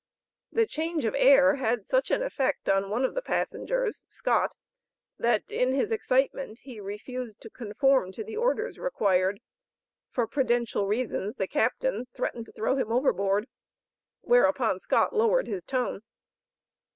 The change of air had such an effect on one of the passengers (Scott) that, in his excitement, he refused to conform to the orders required; for prudential reasons the Captain, threatened to throw him over board. Whereupon Scott lowered his tone.